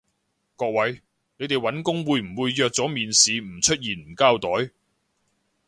各位，你哋搵工會唔會約咗面試唔出現唔交代？